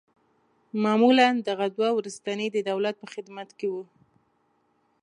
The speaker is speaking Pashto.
معمولاً دغه دوه وروستني د دولت په خدمت کې وه.